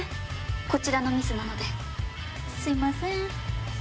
こちらのミスなのですいません。